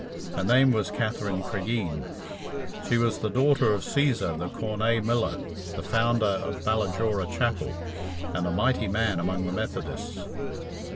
Her name was Katherine Cregeen. She was the daughter of Cæsar the Cornaa miller, the founder of Ballajora Chapel, and a mighty man among the Methodists.